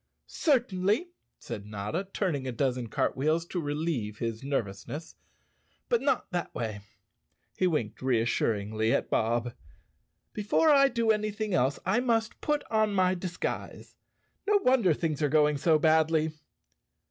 "Certainly," said Notta, turning a dozen cartwheels to relieve his nervousness, "but not that way." He winked reassuringly at Bob. "Before I do anything else I must put on my disguise. No wonder things are going so badly."